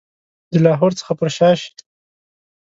د لاهور څخه پر شا شي.